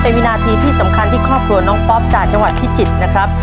เป็นวินาทีที่สำคัญที่ครอบครัวน้องป๊อปจากจังหวัดพิจิตรนะครับ